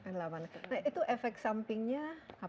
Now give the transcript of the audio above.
nah itu efek sampingnya apa